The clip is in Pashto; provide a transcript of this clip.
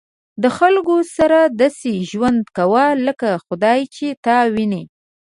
د خلکو سره داسې ژوند کوه لکه خدای چې تا ویني.